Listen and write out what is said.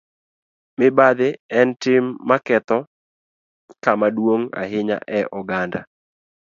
Mibadhi en tim ma ketho kama duong' ahinya e oganda..